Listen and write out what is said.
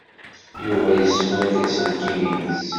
Yuba yesfurek aselkim-nnes.